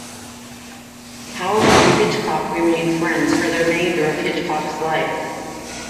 Powell and Hitchcock remained friends for the remainder of Hitchcock's life.